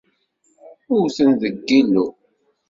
Wten deg Yillu.